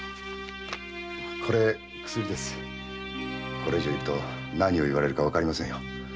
これ以上居ると何を言われるかわかりませんよ。